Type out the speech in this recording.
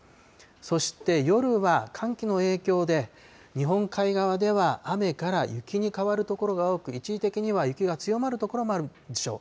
そして夜は寒気の影響で、日本海側では雨から雪に変わる所が多く、一時的には雪が強まる所もあるでしょう。